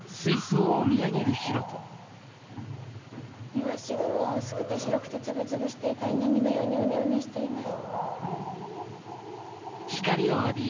いわし雲は薄くて白くてつぶつぶしていたり波のようにうねうねしています。